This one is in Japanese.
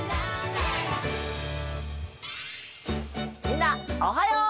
みんなおはよう！